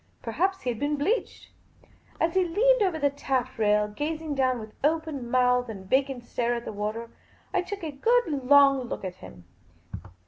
Perhaps he had been bleached. As he leant over the taff rail, gazing down with open mouth and vacant stare at the water, I took a good, long look at him.